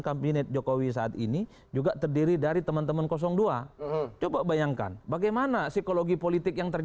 kabinet jokowi saat ini juga terdiri dari teman teman dua coba bayangkan bagaimana psikologi politik yang